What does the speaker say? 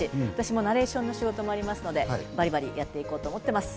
ナレーションの仕事もありますので、バリバリやっていこうと思ってます。